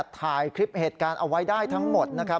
ถ่ายคลิปเหตุการณ์เอาไว้ได้ทั้งหมดนะครับ